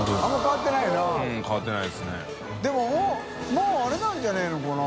もうあれなんじゃないのかな？